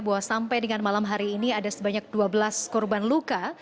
bahwa sampai dengan malam hari ini ada sebanyak dua belas korban luka